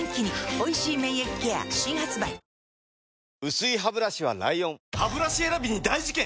薄いハブラシは ＬＩＯＮハブラシ選びに大事件！